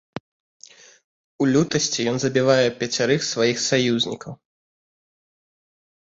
У лютасці ён забівае пяцярых сваіх саюзнікаў.